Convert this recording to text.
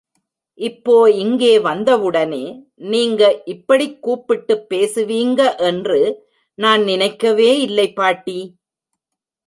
இப்போ இங்கே வந்தவுடனே, நீங்க இப்படி கூப்பிட்டுப் பேசுவீங்க என்று நான் நினைக்கவே இல்லை பாட்டி.